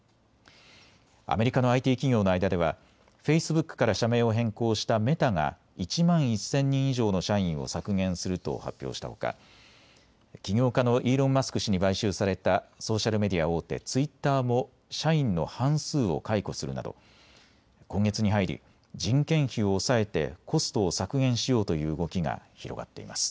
アメリカのＩＴ企業の間ではフェイスブックから社名を変更したメタが１万１０００人以上の社員を削減すると発表したほか起業家のイーロン・マスク氏に買収されたソーシャルメディア大手、ツイッターも社員の半数を解雇するなど今月に入り人件費を抑えてコストを削減しようという動きが広がっています。